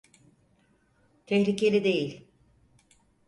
Tehlikeli değil.